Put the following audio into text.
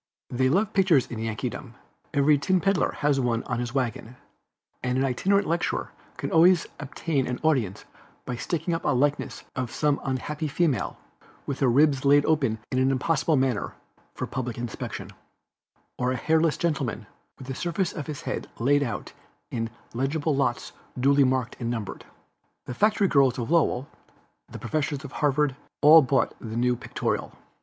They love pictures in Yankeedom; every tin peddler has one on his wagon, and an itinerant lecturer can always obtain an audience by sticking up a likeness of some unhappy female, with her ribs laid open in an impossible manner, for public inspection, or a hairless gentleman, with the surface of his head laid out in eligible lots duly marked and numbered. The factory girls of Lowell, the professors of Harvard, all bought the new Pictorial.